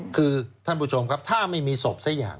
คือท่านผู้ชมครับถ้าไม่มีศพสักอย่าง